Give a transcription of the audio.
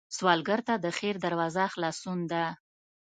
سوالګر ته د خیر دروازه خلاصون ده